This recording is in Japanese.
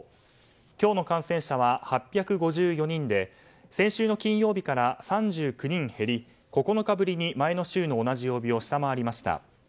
今日の感染者は８５４人で先週の金曜日から３９人減り９日ぶりに前の週の同じ曜日を下回りました。